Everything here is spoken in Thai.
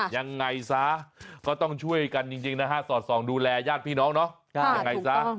ยังไงซะก็ต้องช่วยกันจริงนะฮะสอดส่องดูแลญาติพี่น้องเนาะยังไงซะ